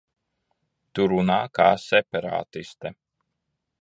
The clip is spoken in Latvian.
Tu runā kā separātiste.